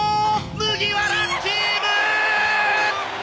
麦わらチーム！